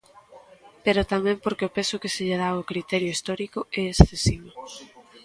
Pero tamén porque o peso que se lle dá ao criterio histórico é excesivo.